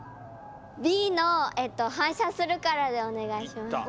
Ｂの反射するからでお願いします。